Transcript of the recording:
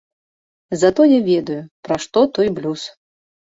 Затое ведаю, пра што той блюз.